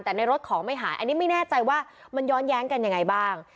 แต่ในรถของไม่หายอันนี้ไม่แน่ใจว่ามันย้อนแย้งกันยังไงบ้าง